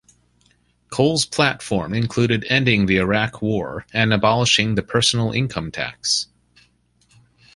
Cole's platform included ending the Iraq War and abolishing the personal income tax.